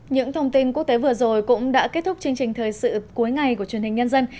những thông tin quốc tế vừa rồi cũng đã kết thúc chương trình thời sự cuối ngày của truyền hình nhân dân